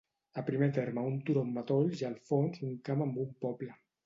A primer terme un turó amb matolls i al fons un camp amb un poble.